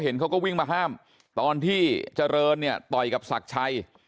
เขาก็วิ่งมาห้ามตอนที่เจริญเนี่ยต่อยกับศักดิ์ชัย